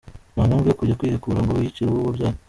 Nta mpamvu yo kujya kwihekura ngo wiyicire uwo wabyaye.